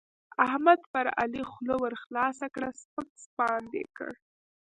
احمد پر علي خوله ورخلاصه کړه؛ سپک سپاند يې کړ.